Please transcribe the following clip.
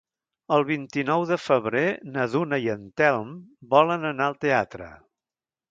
El vint-i-nou de febrer na Duna i en Telm volen anar al teatre.